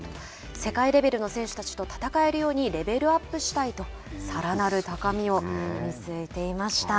世界レバルの選手たちと闘えるようにレベルアップしたいとさらなる高みを見据えていました。